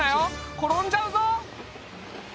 転んじゃうぞ。